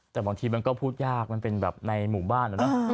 แต่บางทีมันก็พูดยากมันเป็นแบบในหมู่บ้านนะ